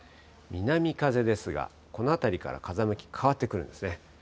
南風ですが、この辺りから風向き変わってくるんですね。